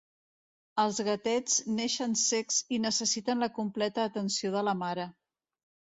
Els gatets neixen cecs i necessiten la completa atenció de la mare.